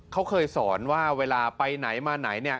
เขาเคยสอนว่าเวลาไปไหนมาไหนเนี่ย